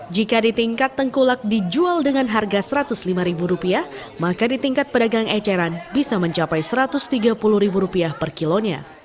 jika di tingkat tengkulak dijual dengan harga rp satu ratus lima maka di tingkat pedagang eceran bisa mencapai rp satu ratus tiga puluh per kilonya